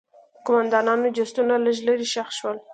د قوماندانانو جسدونه لږ لرې ښخ شول.